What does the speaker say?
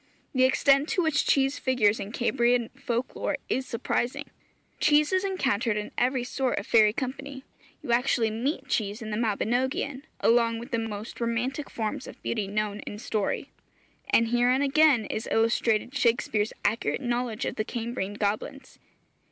The extent to which cheese figures in Cambrian folk lore is surprising; cheese is encountered in every sort of fairy company; you actually meet cheese in the Mabinogion, along with the most romantic forms of beauty known in story. And herein again is illustrated Shakspeare's accurate knowledge of the Cambrian goblins.